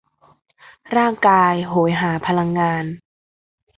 ร่างกายโหยหาพลังงาน